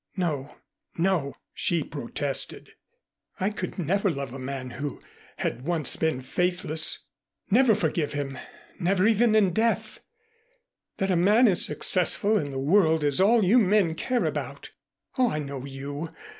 "No, no," she protested. "I could never love a man who had once been faithless never forgive him never even in death. That a man is successful in the world is all you men care about. Oh, I know you.